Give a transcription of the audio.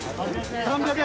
３００円。